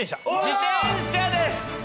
自転車です！